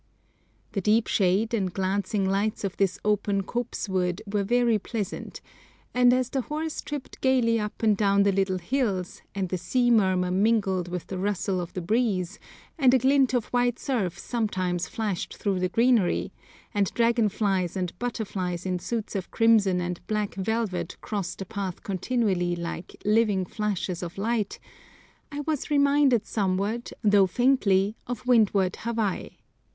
The deep shade and glancing lights of this open copsewood were very pleasant; and as the horse tripped gaily up and down the little hills, and the sea murmur mingled with the rustle of the breeze, and a glint of white surf sometimes flashed through the greenery, and dragonflies and butterflies in suits of crimson and black velvet crossed the path continually like "living flashes" of light, I was reminded somewhat, though faintly, of windward Hawaii.